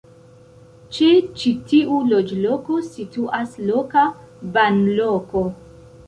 Ĉe ĉi tiu loĝloko situas loka banloko.